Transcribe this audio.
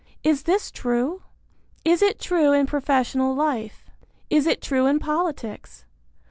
Is this true? Is it true in professional life? Is it true in politics?